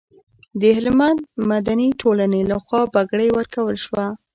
د هلمند مدني ټولنې لخوا بګړۍ ورکول شوه.